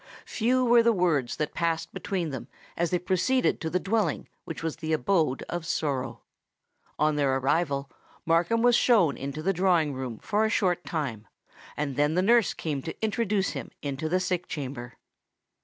Few were the words that passed between them as they proceeded to the dwelling which was the abode of sorrow. On their arrival Markham was shown into the drawing room for a short time; and then the nurse came to introduce him into the sick chamber.